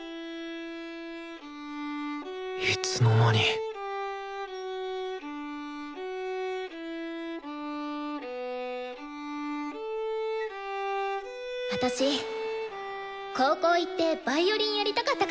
いつの間に私高校行ってヴァイオリンやりたかったから。